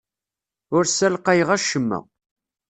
Ur ssalqayeɣ acemma.